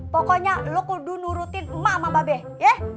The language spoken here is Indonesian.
pokoknya lo kudu nurutin ma sama mbak be yeh